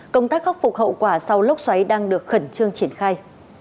công tác khắc phục hậu quả sau lốc xoáy đang được khẩn trương triển khai